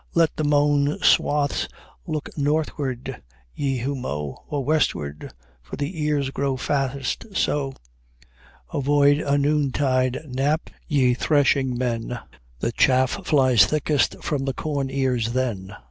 "Let the mown swathes look northward, ye who mow, Or westward for the ears grow fattest so. "Avoid a noon tide nap, ye threshing men: The chaff flies thickest from the corn ears then.